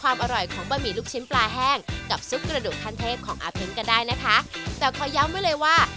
วันนี้ต้องขอบคุณอาเพงมากเลยครับ